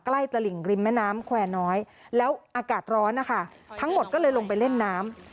ใกล้ตระหลิงริมแม่น้ำแขวน้อยแล้วอากาศร้อนทั้งหมดก็เลยลงไปเล่นน้ำ